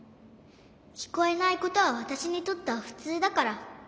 きこえないことはわたしにとってはふつうだから。